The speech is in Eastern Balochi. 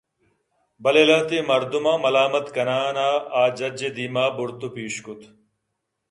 بلے لہتیں مردماں ملامت کنان ءَ آ جّج ءِ دیما بُرت ءُ پیش کُت